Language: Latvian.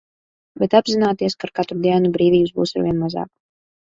Bet apzināties, ka ar katru dienu brīvības būs arvien mazāk.